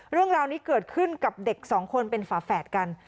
เรื่องราวนี้เกิดขึ้นกับเด็กสองคนเป็นฝาแฝดกัน